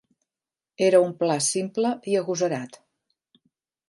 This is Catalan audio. Era un pla simple i agosarat.